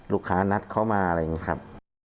นัดเขามาอะไรอย่างนี้ครับ